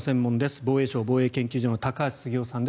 防衛省防衛研究所高橋杉雄さんです。